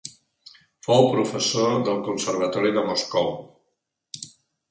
Fou professor del Conservatori de Moscou.